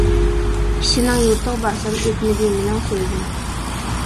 كىشىنىڭ يۇرتىغا بارسام، ئۆتمىدى مېنىڭ سۆزۈم.